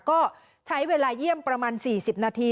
ก็ใช้เวลาเยี่ยมประมาณ๔๐นาที